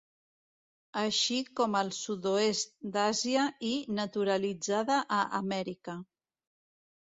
Així com al sud-oest d'Àsia i naturalitzada a Amèrica.